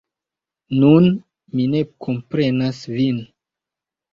Nun mi ne komprenas vin.